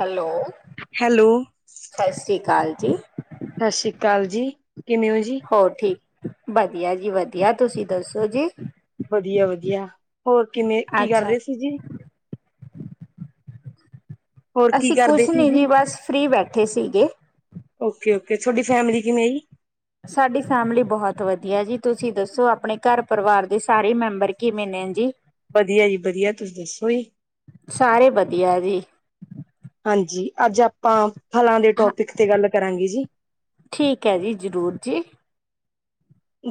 Hello. Hello. ਸਾਸਰੀ ਕਾਲ ਜੀ। ਸਤਿ ਸ਼੍ਰੀ ਅਕਾਲ ਜੀ ਕਿਵੇਂ ਹੋ ਜੀ। ਹੋਰ ਠੀ, ਵਧੀਆ ਜੀ ਵਧੀਆ ਤੁਸੀਂ ਦੱਸੋ ਜੀ। ਵਧੀਆ ਵਧੀਆ ਹੋਰ ਕਿਵੇਂ ਕੀ ਕਰ ਅੱਛਾ, ਰਹੇ ਸੀ ਜੀ। ਹੋਰ ਕੀ ਅਸੀਂ ਕਰਦੇ ਕੁਛ ਸੀ ਨਈ ਜੀ ਬਸ ਫ੍ਰਰੀ ਬੈਠੇ ਸੀਗੇ। ਓਕੇ ਓਕੇ ਤੁਹਾਡੀ ਫੈਮਿਲੀ ਕਿਵੇਂ ਆ ਜੀ। ਸਾਡੀ ਫੈਮਿਲੀ ਬਹੁਤ ਵਧੀਆ ਜੀ ਤੁਸੀਂ ਦੱਸੋ ਆਪਣੇ ਘਰ ਪਰਿਵਾਰ ਦੇ ਸਾਰੇ ਮੈਂਬਰ ਕਿਵੇਂ ਨੇ ਜੀ। ਵਧੀਆ ਜੀ ਵਧੀਆ ਤੁਸੀਂ ਦੱਸੋ ਜੀ। ਸਾਰੇ ਵਧੀਆ ਜੀ। ਹਾਂਜੀ ਅੱਜ ਆਪਾਂ ਫਲਾਂ ਦੇ ਹਾਂ ਟੋਪਿਕ ਤੇ ਗੱਲ ਕਰਾਂਗੇ ਜੀ। ਠੀਕ ਹੈ ਜੀ ਜ਼ਰੂਰ ਜੀ।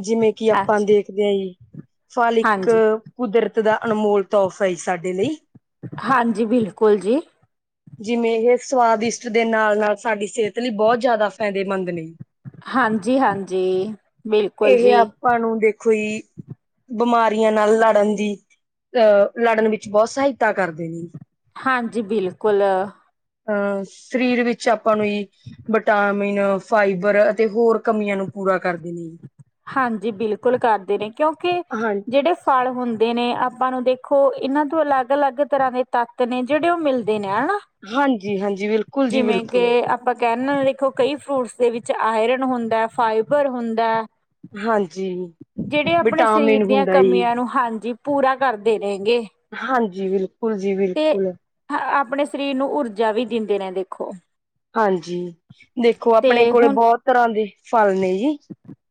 ਜਿਵੇਂ ਕਿ ਆਪਾਂ ਅੱਛਾ। ਦੇਖਦੇ ਹਾਂ ਜੀ ਫਾਲ ਇੱਕ ਹਾਂਜੀ, ਕੁਦਰਤ ਦਾ ਅਨਮੋਲ ਤੋਹਫ਼ਾ ਹ ਸਾਡੇ ਲਈ। ਹਾਂਜੀ ਬਿਲਕੁਲ ਜੀ। ਜਿਵੇਂ ਇਹ ਸਵਾਦਿਸ਼ਟ ਦੇ ਨਾਲ- ਨਾਲ ਸਾਡੀ ਸਿਹਤ ਲਈ ਬਹੁਤ ਜ਼ਿਆਦਾ ਫਾਇਦੇਮੰਦ ਨੇ। ਹਾਂਜੀ- ਹਾਂਜੀ। ਇਹ ਆਪਾਂ ਨੂੰ ਦੇਖੋ ਜੀ ਬਿਮਾਰੀਆਂ ਨਾਲ ਲੜਨ ਦੀ ਅਹ ਲੜਨ ਵਿੱਚ ਬਹੁਤ ਸਹਾਇਤਾ ਕਰਦੇ ਨੇ। ਹਾਂਜੀ ਬਿਲਕੁਲ। ਅਹ ਸਰੀਰ ਵਿੱਚ ਆਪਾਂ ਨੂੰ ਹੀ ਵਿਟਾਮਿਨ, ਫਾਈਬਰ ਅਤੇ ਹੋਰ ਕਮੀਆਂ ਨੂੰ ਪੂਰਾ ਕਰਦੇ ਨੇ। ਹਾਂਜੀ ਬਿਲਕੁਲ ਕਰਦੇ ਨੇ, ਕਿਉਂਕਿ ਹਾਂ ਜਿਹੜੇ ਫਲ ਹੁੰਦੇ ਨੇ ਆਪਾਂ ਨੂੰ ਦੇਖੋ ਇਹਨਾਂ ਤੋਂ ਅਲੱਗ- ਅਲੱਗ ਤਰ੍ਹਾਂ ਦੇ ਤੱਤ ਨੇ ਜਿਹੜੇ ਉਹ ਮਿਲਦੇ ਨੇ ਹਨਾ। ਹਾਂਜੀ- ਹਾਂਜੀ, ਬਿਲਕੁਲ ਜੀ ਜਿਵੇਂ ਕਿ ਬਿਲਕੁਲ। ਆਪਾਂ ਕਹਿਨ ਦੇਖੋ ਕਈ ਫਰੂਟਸ ਦੇ ਵਿੱਚ ਆਇਰਨ ਹੁੰਦਾ, ਫਾਈਬਰ ਹੁੰਦਾ। ਹਾਂਜੀ। ਜਿਹੜੇ ਆਪਣੇ ਸਰੀਰ ਵਿਟਾਮਿਨ ਦੀਆਂ ਹੁੰਦਾ ਜੀ ਕਮੀਆਂ ਨੂੰ ਹਾਂਜੀ ਪੂਰਾ ਕਰਦੇ ਰਹਿਗੇ। ਹਾਂਜੀ, ਬਿਲਕੁਲ ਜੀ ਬਿਲਕੁਲ। ਹ ਆਪਣੇ ਸਰੀਰ ਨੂੰ ਊਰਜਾ ਵੀ ਦਿੰਦੇ ਨੇ ਦੇਖੋ। ਹਾਂਜੀ। ਦੇਖੋ ਆਪਣੇ ਤੇ ਕੋਲੇ ਬਹੁਤ ਤਰ੍ਹਾਂ ਦੇ ਫਲ ਨੇ ਜੀ। ਹ [inaudible]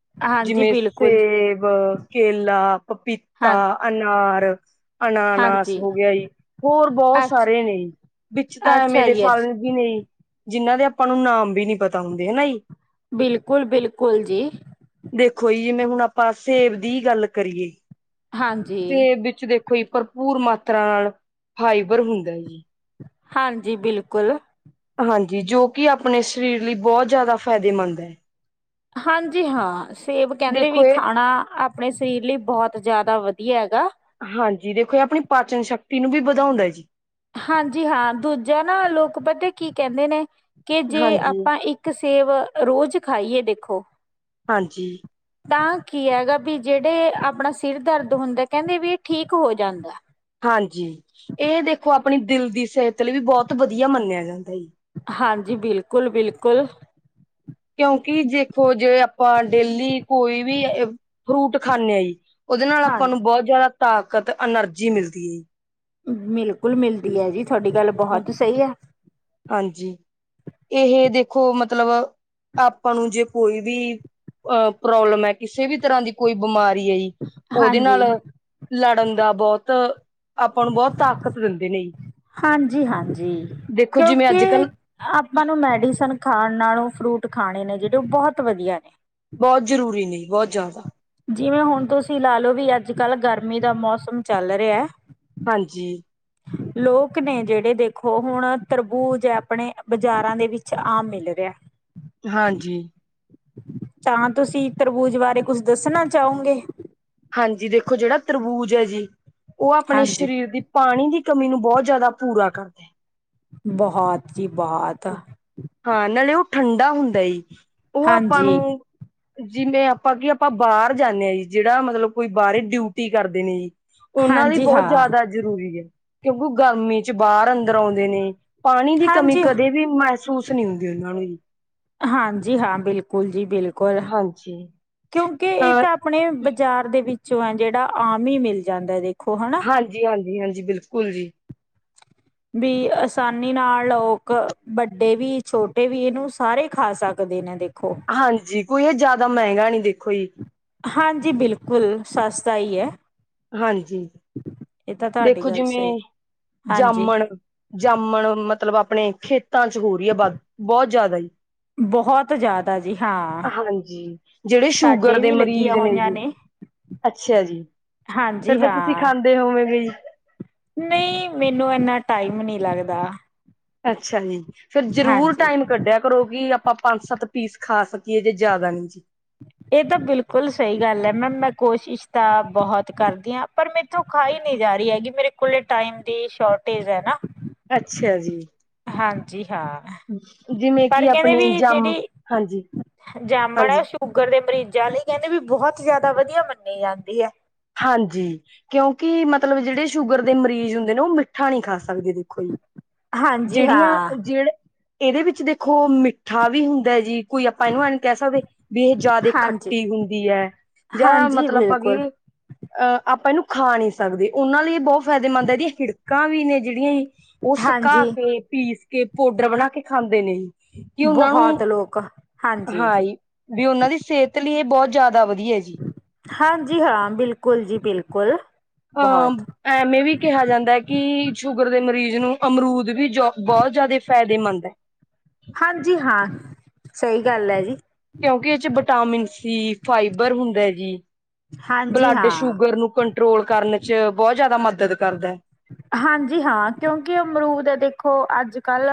ਜਿਵੇਂ ਸੇਬ, ਕੇਲਾ, ਪਪੀਤਾ, ਹਾਂ ਅਨਾਰ ਅਨਾਨਾਸ ਹਾਂਜੀ ਹੋ ਗਿਆ ਜੀ, ਹੋਰ ਬਹੁਤ ਅੱਛ ਸਾਰੇ ਨੇ ਜੀ, ਵਿੱਚ ਤਾਂ ਐਵੇਂ ਅੱਛਾ ਦੇ ਜੀ ਫਲ ਅੱਛਾ ਵੀ ਨਹੀਂ। ਜਿੰਨਾਂ ਦੇ ਆਪਾਂ ਨੂੰ ਨਾਮ ਵੀ ਨਹੀਂ ਪਤਾ ਹੁੰਦੇ ਹਨਾ ਜੀ। ਬਿਲਕੁਲ- ਬਿਲਕੁਲ ਜੀ। ਦੇਖੋ ਜੀ ਜਿਵੇਂ ਹੁਣ ਆਪਾਂ ਸੇਬ ਦੀ ਗੱਲ ਕਰੀਏ। ਹਾਂ। ਸੇਬ ਵਿੱਚ ਦੇਖੋ ਜੀ ਭਰਪੂਰ ਮਾਤਰਾ ਨਾਲ ਫਾਈਬਰ ਹੁੰਦਾ ਜੀ। ਹਾਂਜੀ ਬਿਲਕੁਲ। ਹਾਂਜੀ, ਜੋ ਕਿ ਆਪਣੇ ਸਰੀਰ ਲਈ ਬਹੁਤ ਜ਼ਿਆਦਾ ਫਾਇਦੇਮੰਦ ਹੈ। ਹਾਂਜੀ ਹਾਂ, ਸੇਬ ਕਹਿੰਦੇ ਵੀ ਦੇਖੋ ਇਹ ਖਾਣਾ ਆਪਣੇ ਸਰੀਰ ਲਈ ਬਹੁਤ ਜ਼ਿਆਦਾ ਵਧੀਆ ਹੈਗਾ। ਹਾਂਜੀ, ਦੇਖੋ ਇਹ ਆਪਣੀ ਪਾਚਨ ਸ਼ਕਤੀ ਨੂੰ ਵੀ ਵਧਾਉਂਦਾ ਜੀ। ਹਾਂਜੀ ਹਾਂ, ਦੂਜਾ ਨਾ ਲੋਕ ਪਤਾ ਕੀ ਕਹਿੰਦੇ ਨੇ ਕਿ ਜੇ ਹਾਂਜੀ, ਆਪਾਂ ਇੱਕ ਇੱਕ ਸੇਬ ਰੋਜ਼ ਖਾਈਏ ਦੇਖੋ ਹਾਂਜੀ। ਤਾਂ ਕੀ ਹੈਗਾ ਵੀ ਜਿਹੜੇ ਆਪਣਾ ਸਿਰ ਦਰਦ ਹੁੰਦਾ ਕਹਿੰਦੇ ਵੀ ਇਹ ਠੀਕ ਹੋ ਜਾਂਦਾ। ਹਾਂਜੀ। ਇਹ ਦੇਖੋ ਆਪਣੀ ਦਿਲ ਦੀ ਸਿਹਤ ਲਈ ਵੀ ਬਹੁਤ ਵਧੀਆ ਮੰਨਿਆ ਜਾਂਦਾ। ਹਾਂਜੀ, ਬਿਲਕੁਲ- ਬਿਲਕੁਲ। ਕਿਉਂਕਿ ਦੇਖੋ ਜੇ ਆਪਾਂ ਡੇਲੀ ਕੋਈ ਵੀ ਫਰੂਟ ਖਾਂਦੇ ਹਾਂ ਜੀ। ਉਹਦੇ ਨਾਲ ਹਾਂ ਆਪਾਂ ਨੂੰ ਬਹੁਤ ਜਿਆਦਾ ਤਾਕਤ, ਐਨਰਜੀ ਮਿਲਦੀ ਹੈ ਜੀ। ਬਿਲਕੁਲ ਮਿਲਦੀ ਹੈ ਜੀ ਤੁਹਾਡੀ ਗੱਲ ਜੀ ਬਹੁਤ ਸਹੀ ਹੈ। ਹਾਂਜੀ। ਇਹ ਦੇਖੋ ਮਤਲਬ ਆਪਾਂ ਨੂੰ ਜੇ ਕੋਈ ਵੀ ਅਹ ਪ੍ਰੋਬਲਮ ਹੈ ਕਿਸੇ ਵੀ ਤਰ੍ਹਾਂ ਦੀ ਕੋਈ ਬਿਮਾਰੀ ਹੈ ਜੀ। ਓਦੇ ਨਾਲ, ਹਾਂਜੀ ਲੜਨ ਦਾ ਬੋਤ, ਆਪਾ ਨੂੰ ਬੋਤ ਤਾਕਤ ਦਿੰਦੇ ਨੇ ਹਾਂਜੀ-ਹਾਂਜੀ, ਦੇਖੋ ਜਿਵੇਂ ਅੱਜ ਕੇਓਕੇ ਕੱਲ੍ਹ ਅਪਾ ਨੂੰ ਮੈਡੀਸਨ ਖਾਣ ਨਾਲੋ ਫਰੂਟ ਖਾਣੇ ਨੇ ਜਿੜੇ ਓ ਬੋਹਤ ਵਧੀਆ ਨੇ ਬਹੋਤ ਜ਼ਰੂਰੀ ਨੇ, ਜੀ ਬੋਤ ਜਾਦਾ ਜਿਵੇ ਹੋਣ ਤੁਸੀ ਲਾ ਲੋ ਵੀ ਅੱਜ-ਕੱਲ ਗਰਮੀ ਦਾ ਮੌਸਮ ਚੱਲ ਰੇਐ ਹਾਂਜੀ। [unintelligible] ਲੋਕ ਨੇ ਜੇੜੇ ਦੇਖੋ, ਹੁਣ ਤਰਬੂਜ ਆਪਣੇ ਬਾਜ਼ਾਰਾਂ ਦੇ ਵਿੱਚ ਆਮ ਮਿਲ ਰੇਐ ਹਾਂਜੀ। ਤਾਂ ਤੁਸੀ ਤਰਬੂਜ ਬਾਰੇ ਕੁਛ ਦਸਣਾ ਚਾਓਗੇ? ਹਾਂਜੀ ਦੇਖੋ ਜਿੜਾ ਤਰਬੂਜ ਐ ਜੀ, ਓ ਆਪਣੇ ਹਾਂਜੀ ਸਰੀਰ ਦੀ ਪਾਣੀ ਦੀ ਕਮੀ ਨੂੰ ਬੋਤ ਜਾਦਾ ਪੂਰਾ ਕਰਦਾ। ਬੋਹਤ ਜੀ ਬੋਹਤ ਹ, ਹਾਂ ਨਾਲੇ ਓ ਠੰਡਾ ਹੁੰਦਾ ਏ, ਓ ਆਪਾ ਨੂੰ ਹਾਂਜੀ ਜਿਣੇ ਅਪਾਂ ਕੀ ਅਪਾਂ ਬਾਰ ਜਾਣੇ ਹਾਂ ਯੀ, ਜੇੜਾ ਮਤਲਬ ਕੋਈ ਬਾਰੇ ਡਿਊਟੀ ਕਰਦੇ ਨੇ ਯੀ ਓਨਾ ਲਈ ਹਾਂਜੀ ਬੋਤ ਹਾਂ ਜਾਦਾ ਜਰੂਰੀ ੲੈ, ਕਿ ਓਹੋ ਗਰਮੀ ਚ ਬਾਰ ਅੰਦਰ ਓਦੇ ਨੇ, ਪਾਣੀ ਦੀ ਕਮੀ ਹਾਂਜੀ ਕਦੇ ਵੀ ਮੈਸੂਸ ਨੀ ਹੁੰਦੀ ਓਨਾਂ ਨੂੰ ਯੀ। ਹਾਂਜੀ ਹਾਂ ਬਿਲਕੁਲ ਜੀ ਬਿਲਕੁਲ, ਹਾਂਜੀ ਕੇਉਂਕਿ ਏ ਅ ਤਾਂ ਆਪਣੇ ਬਜਾਰ ਦੇ ਵਿੱਚੋਂ ਐ ਜੇੜਾ ਆਮ ਈ ਮਿਲ ਜਾਂਦਾ ਦੇਖੋ ਹਨਾ। ਜੀ ਹਾਂਜੀ-ਹਾਂਜੀ ਬਿਲਕੁਲ ਜੀ। ਬੀ ਅ ਸਾਨੀ ਨਾਲ, ਲੋ ਕ, ਵੱਡੇ ਵੀ ਛੋਟੇ ਵੀ ਇਨੂੰ ਸਾਰੇ ਖਾ ਸ ਕਦੇ ਨਾ ਦੇਖੋ ਹਾਂਜੀ ਕੋਈ ਏ ਜਾਦਾ ਮੈਗਾ ਨੀ ਦੇਖੋ ਯੀ। ਹਾਂਜੀ ਬਿਲਕੁਲ ਸਸਤਾ ਈ ਐ। ਹਾਂ। ਤੁਹਾਡੀ ਦੇਖੋ ਗੱਲ ਸਹੀ ਜਿਵੇਂ, ਹਾਂਜੀ। ਜਾਮਣ, ਜਾਮਣ ਮਤਲਬ ਆਪਣੇ ਖੇ ਤਾਂ ਚ ਹੋ ਰੀ ਏ ਵੱਧ, ਬੋ ਜਾਦਾ ਯੀ ਬਹੁਤ ਜ਼ਿਆਦਾ ਜੀ ਹਾਂ ਹਾਂਜੀ, ਜੇੜੇ ਸ਼ੂਗਰ ਸਾਡੇ ਦੇ ਵੀ ਮਰੀਜ਼ ਲੱਗੀਆਂ ਨੇ ਹੋਈਆਂ ਜੀ ਅੱਛਾ ਜੀ, ਫੇਰ ਹਾਂਜੀ ਤਾਂ ਤੁਸੀਂ ਖਾਂਦੇ ਹੋਵੋਗੇ ਯੀ। ਮੇ, ਮੈਨੂੰ ਏਨਾ ਟਾਈਮ ਨੀ ਲੱਗਦਾ। ਅੱਛਾ ਜੀ, ਫੇਰ ਜ਼ਰੂਰ ਹਾਂਜੀ। ਟਾਈਮ ਕਢੇਆ ਕਰੋ ਕਿ ਅਪਾ ਪੰਜ-ਸੱਤ ਪੀਸ ਖਾ ਸਕੀਏ ਜੇ ਜਾਦਾ ਨੀ ਜੀ। ਏ ਤਾਂ ਬਿਲਕੁਲ ਸਈ ਗੱਲ ੲੈ ਮੈ, ਮੈ ਕੋਸ਼ਿਸ਼ ਤਾਂ ਬੋਹਤ ਕਰਦੀ ਆਂ। ਪਰ ਮੇਥੋਂ ਖਾਈ ਨੀ ਜਾ ਰਹੀ ਹੈਗੀ, ਮੇਰੇ ਕੋਲ ਟਾਈਮ ਦੀ ਸ਼ੋਟੇਜ ਹੈ ਨਾ। ਅੱਛਾ ਜੀ। ਹਾਂਜੀ ਹਾਂ। ਜਿਵੇਂ ਪਰ ਕਿ ਕਦੇ ਆਪਣੀ ਵੀ ਜਮ ਜਿੜੀ, ਹਾਂਜੀ ਜਾਮਣ ਐ ਹਾਂਜੀ ਸੁ ਧੂਗਰ ਦੇ ਮਰੀਜ਼ਾਂ ਲਈ ਕੈਂਦੇ ਵੀ ਬੋਹਤ ਜਾਦਾ ਵਧੀਆ ਮੰਨੀ ਜਾਂਦੀ ੲੈ। ਹਾਂਜੀ। ਕੇਓਕਿ, ਮਤਲਬ ਜਿੜੇ ਸ਼ੂਗਰ ਦੇ ਮਰੀਜ਼ ਹੁੰਦੇ ਨੇ ਓ ਮਿੱਠਾ ਨੀ ਖਾ ਸਕਦੇ ਦੇਖੋ ਯੀ। ਹਾਂਜੀ ਜੇੜੀਆਂ, ਹਾਂ ਜੇਹੜੇ, ਏਦੇ ਵਿੱਚ ਦੇਖੋ ਮਿੱਠਾ ਵੀ ਹੁੰਦਾ ਜੀ ਕੋਈ ਆਪਾਂ ਏਨੂੰ ਐ ਨੀ ਕੈ ਸਕਦੇ, ਵੀ ਏਹ ਜਾਦੇ ਹਾਂਜੀ ਖੱਟੀ ਹੁੰਦੀ ਐ, ਜਾਂ ਹਾਂਜੀ ਮਤਲਬ ਆਪਾਂ ਬਿਲਕੁਲ ਕਈਏ ਅ, ਆਪਾਂ ਏਨੂੰ ਖਾ ਨੀ ਸਕਦੇ, ਓਨਾਂ ਲਈ ਏ ਬੋਤ ਫੈਦੇਮੰਦ ਐ ਜੀ, ਹਿੜ, ਹਿੜਕਾਂ ਵੀ ਨੇ ਜਿੜੀਆਂ ਯੀ ਓ ਸਕਾ ਹਾਂਜੀ ਕੇ, ਪੀਸ ਕੇ, ਪੋਡਰ ਬਣਾ ਕੇ ਖਾਂਦੇ ਨੇ ਯੀ ਕਿ ਓਨਾ ਨੂੰ, ਬਹੁਤ ਲੋਕ ਹਾਂਜੀ ਹਾਈ। ਵੀ ਓਨਾਂ ਦੀ ਸੇਤ ਲਈ ਏ ਬੋਤ ਜਾਦਾ ਵਧੀਆ ਜੀ। ਹਾਂਜੀ ਹਾਂ ਬਿਲਕੁਲ ਜੀ ਬਿਲਕੁਲ। ਬਹੁਤ ਅਹ ਐਵੇਂ ਵੀ ਕੈਹਾ ਜਾਂਦਾ ਐ ਕਿ ਸ਼ੂਗਰ ਦੇ ਮਰੀਜ਼ ਨੂੰ ਅਮਰੂਦ ਵੀ ਜੋ ਬੋਤ ਜਾਦੇ ਫਾਇਦੇਮੰਦ ਐ। ਹਾਂਜੀ ਹਾਂ ਸਈ ਗੱਲ ਐ ਜੀ। ਕਿਉਂਕਿ ਓ ਚ ਵਿਟਾਮਿਨ ਸੀ ਫਾਈਬਰ ਹੁੰਦਾ ਐ ਜੀ। ਹਾਂਜੀ ਬੱਲਾਡ ਹਾਂ ਸ਼ੂਗਰ ਨੂੰ ਕੰਟਰੋਲ ਕਰਨ ਚ ਬੋਤ ਜਾਦਾ ਮਦਦ ਕਰਦਾ ਐ। ਹਾਂਜੀ ਹਾਂ ਕਿਉਂਕਿ ਅਮਰੂਦ ਦੇਖੋ ਅੱਜ-ਕੱਲ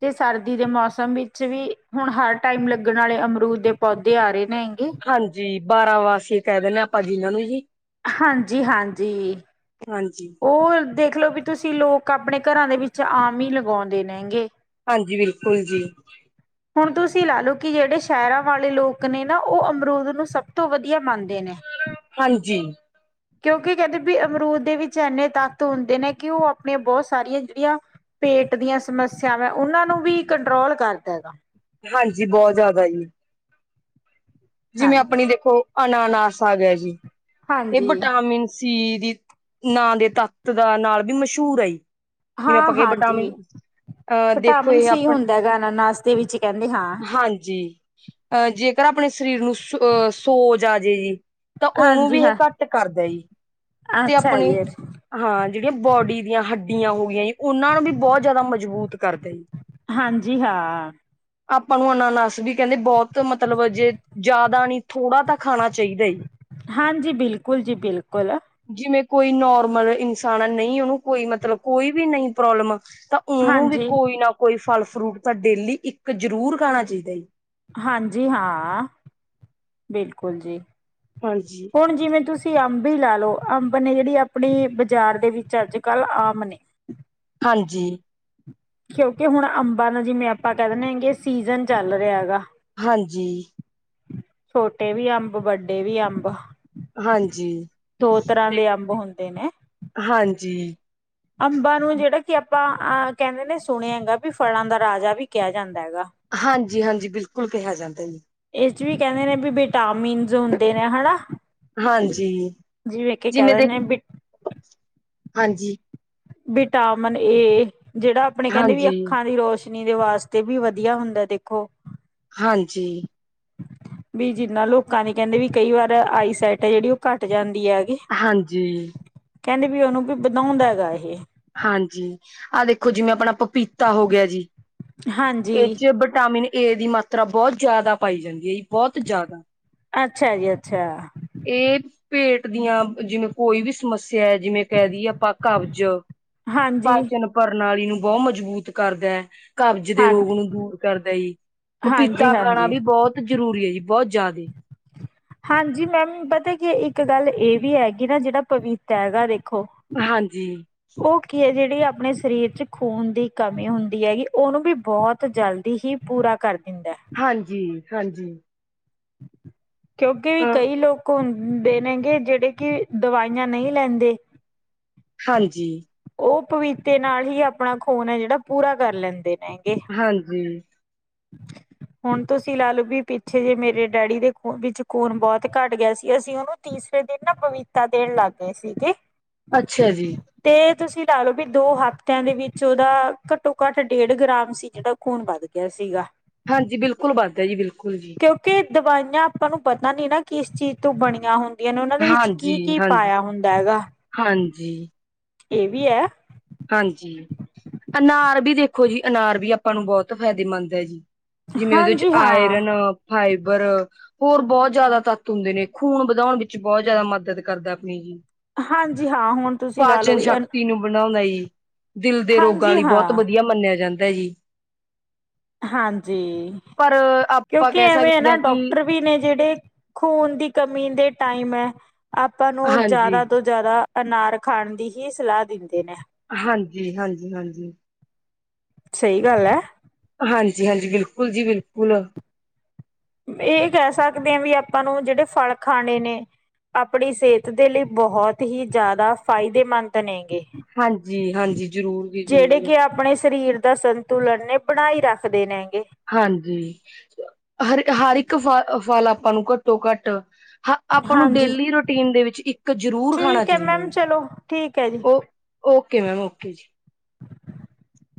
ਤੇ ਸਰਦੀ ਦੇ ਮੌਸਮ ਵਿੱਚ ਵੀ ਹੁਣ ਹਰ ਟਾਈਮ ਲੱਗਣ ਆਲੇ ਅਮਰੂਦ ਦੇ ਪੌਦੇ ਆ ਰਹੇ ਨੇ ਹੈਂਗੇ। ਹਾਂਜੀ ਬਾਰਾਂ ਵਾਸੀ ਕੈ ਦਿੰਦੇ ਆਪਾਂ ਜਿਨਾਂ ਨੂੰ ਜੀ। ਹਾਂਜੀ-ਹਾਂਜੀ, ਹਾਂਜੀ। ਓ ਦੇਖਲੋ ਵੀ ਤੁਸੀਂ ਲੋਕ ਆਪਣੇ ਕਰਾਂ ਦੇ ਵਿੱਚ ਆਮ ਈ ਲਗਾਉਂਦੇ ਨੇਗੇ। ਹਾਂਜੀ ਬਿਲਕੁਲ ਜੀ। ਹੁਣ ਤੁਸੀਂ ਲਾ ਲਓ ਕਿ ਜੇੜੇ ਸੈ਼ਰਾ ਵਾਲੇ ਲੋਕ ਨੇ ਨਾ ਓ ਅਮਰੂਦ ਨੂੰ ਸਭ ਤੋਂ ਵਧੀਆ ਮੰਨਦੇ ਨੇ। ਹਾਂਜੀ। ਕਿਉਂਕਿ ਕੈਂਦੇ ਵੀ ਅਮਰੂਦ ਦੇ ਵਿੱਚ ਏਨੇ ਤੱਤ ਹੁੰਦੇ ਨੇ ਕਿ ਓ ਆਪਣੀਆਂ ਬੋਤ ਸਾਰੀਆਂ ਜਿੜੀਆਂ ਪੇਟ ਦੀਆਂ ਸਮੱਸਿਆਵਾਂ ਓਨਾਂ ਨੂੰ ਵੀ ਕੰਟਰੋਲ ਕਰਦਾ ਹੈਗਾ। ਹਾਂਜੀ ਬੋਤ ਜਾਦਾ ਜੀ। ਜਿਵੇਂ ਅਪਣੀ ਹਾਂਜੀ ਦੇਖੋ ਅਨਾਨਸ ਆ ਗਿਆ ਜੀ। ਗ ਹਾਂਜੀ ਵਿਟਾਮਿਨ ਸੀ ਦੀ ਨਾਂ ਦੇ ਤਾਤ ਦਾ ਨਾਲ ਵੀ ਮਸ਼ਹੂਰ ਆਈ। ਜਿਵੇਂ ਹਾਂ ਆਪਾਂਗੇ ਹਾਂਜੀ ਬਟਾਮਿਨ ਅਹ ਦੇਖੋ ਵਿਟਾਮਿਨ ਏ ਸੀ ਆਪਣ, ਹੁੰਦਾ ਹੈਗਾ ਅਨਾਨਾਸ ਦੇ ਵਿੱਚ ਕਹਿੰਦੇ ਹਾਂ। ਹਾਂਜੀ। ਅਹ ਜੇਕਰ ਪਣੇ ਸਰੀਰ ਨੂੰ ਅਹ ਸੋਜ ਆ ਜੇ ਜੀ ਤਾਂ ਓਨੂੰ ਹਾਂਜੀ ਵੀ ਏ ਹਾਂ। ਕੱਟ ਕਰਦੇ ਜੀ। ਅੱਛਾ ਜੀ। ਹਾਂ ਜੇੜੀਆਂ ਬੋਡੀ ਦੀਆਂ ਹੱਡੀਆਂ ਹੋ ਗਈਆਂ ਜੀ ਓਨਾਂ ਦੀ ਬੋਤ ਜਾਦਾ ਮਜ਼ਬੂਤ ਕਰਦੇ ਜੀ। ਹਾਂਜੀ ਹਾਂ। ਆਪਾਂ ਨੂੰ ਅਨਾਨਸ ਵੀ ਕੈਂਦੇ ਬੋਤ ਮਤਲਬ ਜੇ ਜਾਦਾ ਨੀ ਥੋੜ੍ਹਾ ਤਾਂ ਖਾਣਾ ਚਾਈਦਾ ਈ। ਹਾਂਜੀ ਬਿਲਕੁਲ ਜੀ ਬਿਲਕੁਲ। ਜਿਵੇਂ ਕੋਈ ਨੋਰਮਲ ਇਨਸਾਨ ਨਈ ਓਨੂੰ ਕੋਈ ਮਤਲਬ ਕੋਈ ਵੀ ਨਹੀ ਪ੍ਰੋਬਲਮ ਤਾਂ ਓਨੂੰ ਵੀ ਹਾਂਜੀ। ਕੋਈ ਨਾ ਕੋਈ ਫਲ ਫਰੂਟ ਤਾਂ ਡੇਲੀ ਇੱਕ ਜਰੂਰ ਖਾਣਾ ਚਾਈਦਾ ਜੀ। ਹਾਂਜੀ ਹਾਂ, ਬਿਲਕੁਲ ਜੀ। ਹਾਂਜੀ। ਹੁਣ ਜਿਵੇਂ ਤੁਸੀਂ ਅੰਬ ਈ ਲੈ ਲਓ ਅੰਬ ਨੇ ਜਿੜੀ ਅਪਣੀ ਬਾਜ਼ਾਰ ਦੇ ਵਿੱਚ ਅੱਜ-ਕੱਲ੍ਹ ਆਮ ਨੇ ਹਾਂਜੀ। ਕਿਉਂਕਿ ਹੁਣ ਅੰਬਾਂ ਦਾ ਜਿਵੇਂ ਆਪਾਂ ਕੈ ਦਿੰਦੇ ਲੈਣਗੇ ਸੀਜਨ ਚੱਲ ਰੈਹਾ ਹੈਗਾ। ਹਾਂਜੀ। ਛੋਟੇ ਵੀ ਅੰਬ ਵੱਡੇ ਵੀ ਅੰਬ। ਹਾਂਜੀ। ਦੋ ਤਰ੍ਹਾਂ ਦੇ ਅੰਬ ਹੁੰਦੇ ਨੇ ਹਾਂਜੀ। ਅੰਬਾਂ ਨੂੰ ਜੇੜਾ ਕਿ ਆਪਾਂ ਅ ਕੈਂਦੇ ਨੇ ਸੁਣਿਆ ਹੈਗਾ ਵੀ ਫਲਾਂ ਦਾ ਰਾਜਾ ਵੀ ਕੈਯਾ ਜਾਂਦਾ ਹੈਗਾ। ਹਾਂਜੀ-ਹਾਂਜੀ ਬਿਲਕੁਲ ਕੈਹਾ ਜਾਂਦਾ ਜੀ। ਏਚ ਵੀ ਕੈਂਦੇ ਨੇ ਵੀ ਵਿਟਾਮਿਨਸ ਹੁੰਦੇ ਨੇ ਹੈਨਾ। ਕਾਂਜੀ। ਜੀਵੇ ਵੇਖ ਕੇ ਕੈ ਦਿਣੇ‌ ਆ ਬਿ ਹਾਂਜੀ। ਵਿਟਾਮਨ ਏ ਜੇੜਾ ਅਪਣੇ ਕੈੰਦੇ ਵੀ ਹਾਂਜੀ, ਅੱਖਾਂ ਦੀ ਰੋਸ਼ ਨੀ ਦੇ ਵਾਸਤੇ ਵੀ ਵਧੀਆ ਹੁੰਦਾ ਦੇਖੋ। ਹਾਂਜੀ। ਵੀ ਜਿੰਨਾ ਲੋਕਾਂ ਦੇ ਕੈੰਦੇ ਵੀ ਕਈ ਵਾਰ ਆਈਸੈਟ ਐ ਜੇੜੀ ਓ ਕੱਟ ਜਾਂਦੀ ਹੈਗੀ। ਹਾਂਜੀ। ਕੈੰਦੇ ਵੀ ਓਨੂੰ ਵੀ ਵਧਾਉਂਦਾ ਹੈਗਾ ਏਹ। ਹਾਂਜੀ ਆ ਦੇਖੋ ਜਿਵੇਂ ਅਪਣਾ ਪਪੀ ਤਾ ਹੋ ਗਯਾ ਜੀ ਏ ਹਾਂਜੀ। ਚ ਵਿਟਾਮਿਨ ਏ ਦੀ ਮਾਤਰਾ ਬੋਤ ਜਾਦਾ ਪਾਈ ਜਾਂਦੀ ਏ ਜੀ ਬੋਤ ਜਾਦਾ। ਅੱਛਾ ਜੀ ਅੱਛਾ। ਏ ਪੇਟ ਦੀਆਂ ਜਿਵੇਂ ਕੋਈ ਵੀ ਸਮੱਸਿਆ ਏ ਜਿਵੇਂ ਕੈ ਦੀਈਏ ਆਪਾਂ ਕਬਜ਼ ਹਾਂਜੀ ਪਾਚਨ ਪ੍ਰਣਾਲੀ ਨੂੰ ਬੋ ਮਜ਼ਬੂਤ ਕਰਦਾ। ਕਬਜ਼ ਦੇ ਹਾਂ ਰੋਗ ਨੂੰ ਦੂਰ ਕਰਦਾ ਈ ਹਾਂਜੀ ਪਪੀਤਾ ਖਾਣਾ ਹਾਂਜੀ। ਵੀ ਬੋਹਤ ਜ਼ਰੂਰੀ ਏ ਜੀ ਬੋਤ ਜਾਯਦਾ ਈ। ਹਾਂਜੀ ਮੈਮ ਪਤਾ ਕਿ ਏ ਇੱਕ ਗੱਲ ਏ ਵੀ ਹੈਗੀ ਨਾ ਜੇੜਾ ਪਪੀਤਾ ਹੈਗਾ ਦੇਖੋ ਹਾਂਜੀ ਓ ਕੀ ਐ ਜੇੜੀ ਆਪਣੇ ਸਰੀਰ ਚ ਖੂਨ ਦੀ ਕਮੀ ਹੁੰਦੀ ਹੈਗੀ ਓਨੂੰ ਵੀ ਬੋਹਂਤ ਜਲਦੀ ਹੀ ਪੂਰਾ ਕਰ ਦਿੰਦਾ। ਹਾਂਜੀ-ਹਾਂਜੀ। ਕਿਉਂਕਿ ਅ ਕਈ ਲੋਕ ਹੁਨ ਦੇ ਨੇਗੇ ਜੇੜੇ ਕੇ ਦਵਾਈਆਂ ਨਈ ਲੈਂਦੇ। ਹਾਂਜੀ। ਓ ਪਪੀਤੇ ਨਾਲ ਈ ਆਪਣਾ ਖੂਨ ਐ ਜੇੜਾ ਪੂਰਾ ਕਰ ਲੈਂਦੇ ਨੇਗੇ। ਹਾਂਜੀ। ਹੁਨ ਤੁਸੀਂ ਲਾ ਲਓ ਵੀ ਪਿੱਛੇ ਜੇ ਮੇਰੇ ਡੈਡੀ ਦੇ ਵਿੱਚ ਖੂਨ ਬੋਹਤ ਘੱਟ ਗਿਆ ਸੀ ਅਸੀਂ ਓਨੂੰ ਤੀਸਰੇ ਦਿਨ ਨਾ ਬਵੀਤਾ ਦੇਣ ਲੱਗ ਗਏ ਸੀਗੇ। ਅੱਛਾ ਜੀ। ਤੇ ਤੁਸੀਂ ਲਾ ਲੋ ਵੀ ਦੋ ਹਫ਼ਤਿਆਂ ਦੇ ਵਿੱਚ ਓਦਾ ਕਟੋ-ਕਟ ਡੇਢ ਗ੍ਰਾਮ ਸੀ ਏਦਾ ਖੂਨ ਵੱਧ ਗਿਆ ਸੀਗਾ। ਹਾਂਜੀ ਬਿਲਕੁਲ ਵੱਧਦਾ ਜੀ ਬਿਲਕੁਲ ਜੀ। ਕਿਉਂਕਿ ਦਵਾਈਆਂ ਆਪਾਂ ਨੂੰ ਪਤਾ ਨੀ ਨਾ ਕਿਸ ਚੀਜ਼ ਤੋਂ ਬਣੀਆਂ ਹੁੰ ਨੇ ਓਨਾਂ ਦੇ ਵਿੱਚ ਹਾਂਜੀ ਕੀ-ਕੀ ਹਾਂਜੀ ਪਾਯਾ ਹੁੰਦਾ ਹੈਗਾ? ਹਾਂਜੀ। ਏ ਵੀ ਐ। ਹਾਂਜੀ ਅਨਾਰ ਵੀ ਦੇਖੋ ਜੀ ਅਨਾਰ ਵੀ ਆਪਾਂ ਨੂੰ ਬੋਹਤ ਫਾਇਦੇਮੰਦ ਐ ਜੀ। ਜਿਵੇਂ ਓਦੇ ਚ ਹਾਂਜੀ ਹਾਂ। ਆਇਰਨ, ਫਾਈਬਰ ਹੋਰ ਬੋਹਤ ਜ਼ਿਆਦਾ ਤੱਤ ਹੁੰਦੇ ਨੇ ਖ਼ੂਨ ਵਧਾਉਣ ਵਿੱਚ ਬੋਹਤ ਜ਼ਿਆਦਾ ਮਦਦ ਕਰਦਾ ਅਪਣੀ ਜੀ। ਹਾਂਜੀ ਹਾਂ ਹੁਣ ਤੁਸੀਂ ਲਾ ਲੋ ਪਾਚਨ ਵੀ ਐਨ ਸ਼ਕਤੀ ਨੂੰ ਬਣਾਉਂਦਾ ਜੀ ਦਿਲ ਦੇ ਰੋਗਾਂ ਲਈ ਬੋਹਤ ਹਾਂ ਵਧੀਆ ਮੰਨਯਾ ਜਾਂਦਾ ਜੀ। ਹਾਂਜੀ, ਪਰ ਆਪਾਂ ਕਿਉਂਕਿ ਕਹਿ ਐਵੇਂ ਏ ਸਕਦੇ ਨਾ ਹਾਂ ਕਿ ਡਾੱਕਟਰ ਵੀ ਨੇ ਜੇੜੇ ਖੂਨ ਦੀ ਕਮੀ ਦੇ ਟਾਈਮ ਐ ਆਪਾਂ ਨੂੰ ਹਾਂਜੀ ਜਾਦਾ ਤੋਂ ਜਾਦਾ ਅਨਾਰ ਖਾਨ ਦੀ ਹੀ ਸਲਾਹ ਦਿੰਦੇ ਨੇ। ਹਾਂਜੀ, ਹਾਂਜੀ, ਹਾਂਜੀ। ਸਹੀ ਗੱਲ ਐ। ਹਾਂਜੀ- ਹਾਂਜੀ, ਬਿਲਕੁਲ ਜੀ ਬਿਲਕੁਲ। ਏਅ ਕੈ ਸਕਦੇ ਆ ਵੀ, ਆਪਾਂ ਨੂੰ ਜੇੜੇ ਫਲ ਖਾਨੇ ਨ ਆਪਣੀ ਸਿਹਤ ਦੇ ਲਈ ਬੋਹਤ ਹੀ ਜਾਦਾ ਫਾਇਦੇਮੰਦ ਨੇਗੇ। ਹਾਂਜੀ ਹਾਂਜੀ ਜ਼ਰੂਰ ਜੀ ਜੇੜੇ ਜ਼ਰੂਰ ਕੇ ਆਪਣੇ ਸਰੀਰ ਦਾ ਸੰਤ ਤੁੁਲਨ ਨੇ ਬਣਾਈ ਰੱਖਦੇ ਨੇਗੇ। ਹਾਂਜੀ, ਹਰ ਇਕ ਹਰ ਇੱਕ ਫਲ ਅ ਫਲ, ਆਪਾਂ ਨੂੰ ਘੱਟੋ- ਘੱਟ ਹਾਂ, ਆਪਾਂ ਨੂੰ ਹਾਂਜੀ ਡੇਲੀ ਰੋਟੀਨ ਦੇ ਵਿੱਚ ਇੱਕ ਜ਼ਰੂਰ ਖਾਣਾ ਠੀਕ ਹੈ ਚਾਹੀਦਾ ਮੈਮ ਈ, ਚਲੋ ਠੀਕ ਹੈ ਜੀ ਓ। ਓਕੇ ਮੈਮ, ਓਕੇ ਜੀ। [inaudible]